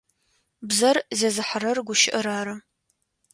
Бзэр зезыхьэрэр гущыӏэр ары.